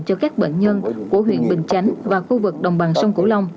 cho các bệnh nhân của huyện bình chánh và khu vực đồng bằng sông cửu long